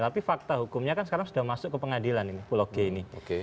tapi fakta hukumnya kan sekarang sudah masuk ke pengadilan ini pulau g ini